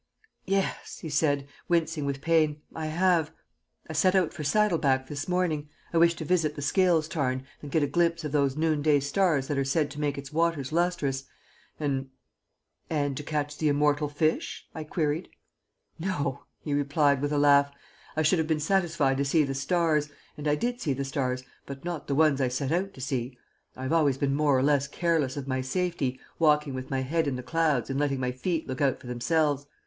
"Yes," he said, wincing with pain, "I have. I set out for Saddleback this morning I wished to visit the Scales Tarn and get a glimpse of those noonday stars that are said to make its waters lustrous, and " "And to catch the immortal fish?" I queried. "No," he replied, with a laugh. "I should have been satisfied to see the stars and I did see the stars, but not the ones I set out to see. I have always been more or less careless of my safety, walking with my head in the clouds and letting my feet look out for themselves.